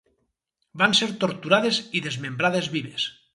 Van ser torturades i desmembrades vives.